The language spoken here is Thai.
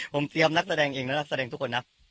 ผมเตรียมนักแสดงเองและนักแสดงทุกคนนะ